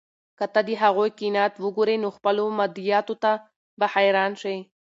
که ته د هغوی قناعت وګورې، نو خپلو مادیاتو ته به حیران شې.